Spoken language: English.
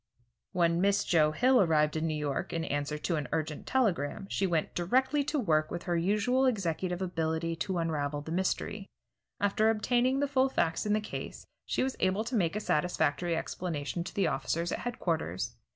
When Miss Joe Hill arrived in New York, in answer to an urgent telegram, she went directly to work with her usual executive ability to unravel the mystery. After obtaining the full facts in the case, she was able to make a satisfactory explanation to the officers at headquarters.